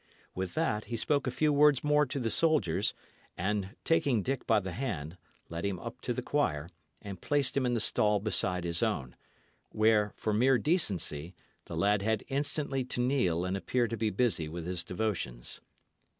With that, he spoke a few words more to the soldiers, and taking Dick by the hand, led him up to the choir, and placed him in the stall beside his own, where, for mere decency, the lad had instantly to kneel and appear to be busy with his devotions.